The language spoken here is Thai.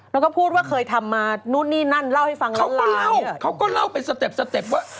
แล้วก็พูดว่าเคยทำมานู่นนี่นั่นเล่าให้ฟังแล้วเขาก็เล่าเขาก็เล่าเป็นสเต็ปสเต็ปว่า